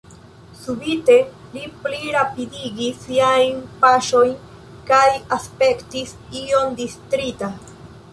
Subite li pli rapidigis siajn paŝojn kaj aspektis iom distrita.